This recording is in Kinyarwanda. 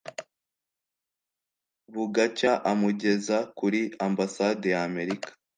bugacya amugeza kuri ambasade y’Amerika